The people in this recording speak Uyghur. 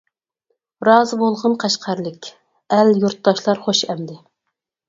رازى بولغىن قەشقەرلىك، ئەل يۇرتداشلار خوش ئەمدى.